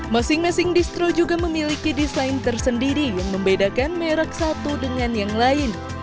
masing masing distro juga memiliki desain tersendiri yang membedakan merek satu dengan yang lain